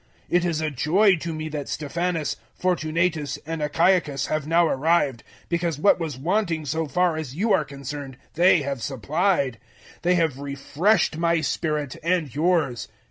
016:017 It is a joy to me that Stephanas, Fortunatus and Achaicus have now arrived, because what was wanting so far as you are concerned they have supplied. 016:018 They have refreshed my spirit, and yours.